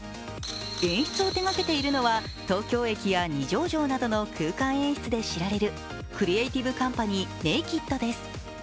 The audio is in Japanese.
演出を手がけているのは東京駅や二条城などの空間演出で知られるクリエーティブカンパニーＮＡＫＥＤです。